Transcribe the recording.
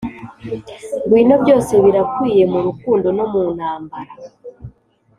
ngwino, byose birakwiye mu rukundo no mu ntambara.